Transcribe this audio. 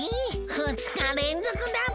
ふつかれんぞくだブヒ！